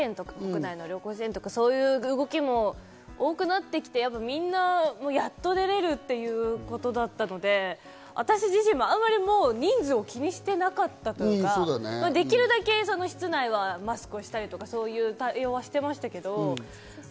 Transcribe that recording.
最近はもう旅行支援とか、そういう動きも多くなってきて、みんなやっと出れるということだったので、私自身も人数を気にしていなかったというか、できるだけ室内はマスクをしたりとか、そういう対応をしていました。